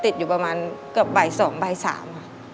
ติดอยู่ประมาณเกือบบ่าย๒บ่าย๓ค่ะ